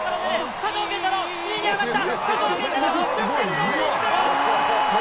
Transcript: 佐藤拳太郎、２位に上がった！